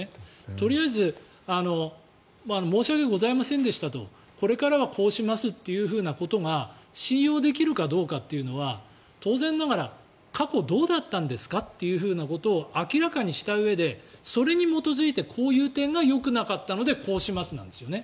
とりあえず申し訳ございませんでしたとこれからはこうしますっていうふうなことが信用できるかどうかというのは当然ながら過去、どうだったんですかということを明らかにしたうえでそれに基づいてこういう点がよくなかったのでこうしますなんですよね。